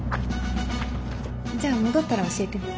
じゃあ戻ったら教えてね。